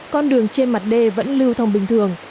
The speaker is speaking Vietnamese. con đường trên mặt đê vẫn lưu thông bình thường